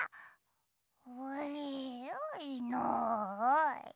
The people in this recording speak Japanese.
あれいない。